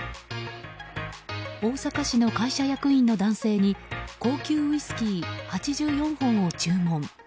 大阪市の会社役員の男性に高級ウイスキー８４本を注文。